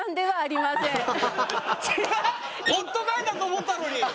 ホットガイだと思ったのに。